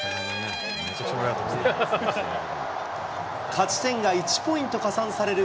勝ち点が１ポイント加算される